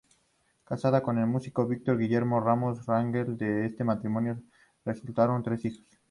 Casada con el músico Víctor Guillermo Ramos Rangel, de este matrimonio resultaron tres hijos.